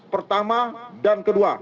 pertama dan kedua